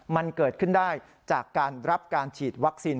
มันเกิดขึ้นได้จากการรับการฉีดวัคซีน